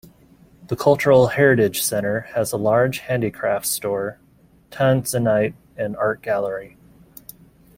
The Cultural Heritage Center has a large handicrafts store, Tanzanite, and art gallery.